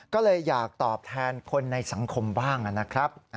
ก็เลยอยากตอบแทนคนในสังคมบ้างนะครับ